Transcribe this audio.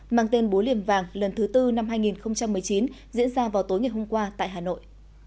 mang tên bố liềm vàng lần thứ tư năm hai nghìn một mươi chín diễn ra vào tối ngày hôm qua tại hà nội